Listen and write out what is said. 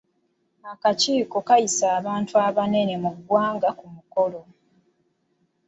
Akakiiko kaayise abantu abanene mu ggwanga ku mukolo.